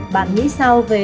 bạn nghĩ sao về